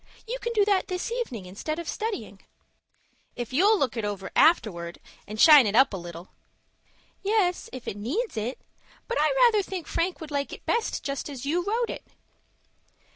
You can do that this evening instead of studying." "If you'll look it over afterwards, and shine it up a little." "Yes, if it needs it; but I rather think Frank would like it best just as you wrote it."